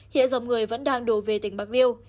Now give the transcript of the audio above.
hiện dòng người vẫn đang đổ về tỉnh bạc liêu